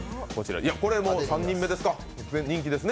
これ、３人目ですか、人気ですね。